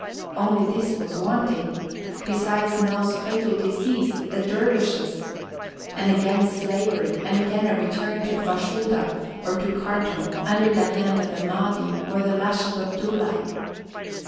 Only this was wanting! Besides Nell's fatal disease, the dervishes! And again slavery, and again a return to Fashoda or to Khartûm, under the hand of the Mahdi or the lash of Abdullahi.